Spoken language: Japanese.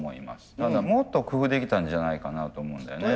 ただもっと工夫できたんじゃないかなと思うんだよね。